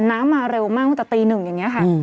น้ำมาเร็วมากตั้งแต่ตี๑อย่างนี้ค่ะ